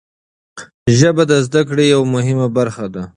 ژبه د زده کړې یوه مهمه برخه ده.